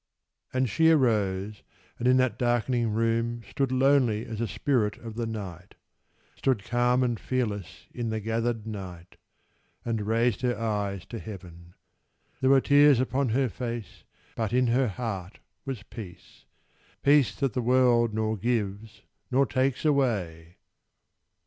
And she arose, and in that darkening room Stood lonely as a spirit of the night Stood calm and fearless in the gathered night And raised her eyes to heaven. There were tears Upon her face, but in her heart was peace, Peace that the world nor gives nor takes away!